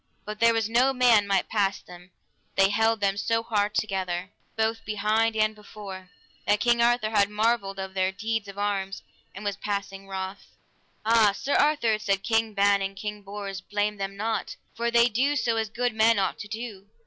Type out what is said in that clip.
But there was no man might pass them, they held them so hard together both behind and before, that King Arthur had marvel of their deeds of arms, and was passing wroth. Ah, Sir Arthur, said King Ban and King Bors, blame them not, for they do as good men ought to do.